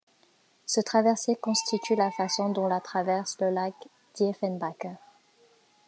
Ce traversier constitue la façon dont la traverse le lac Diefenbaker.